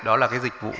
đó là cái dịch vụ